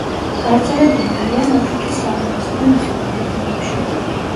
გავრცელებული არიან აფრიკის სავანებსა და ნახევარუდაბნოებში.